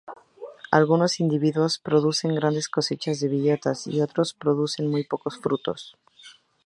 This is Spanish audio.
Algunos individuos producen grandes cosechas de bellotas, y otros producen muy pocos frutos.